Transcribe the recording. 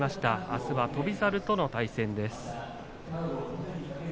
あすは翔猿との対戦です。